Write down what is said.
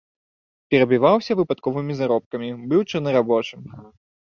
Перабіваўся выпадковымі заробкамі, быў чорнарабочым.